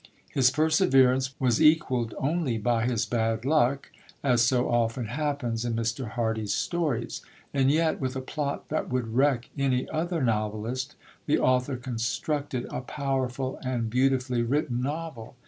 His perseverance was equalled only by his bad luck, as so often happens in Mr. Hardy's stories. And yet, with a plot that would wreck any other novelist, the author constructed a powerful and beautifully written novel.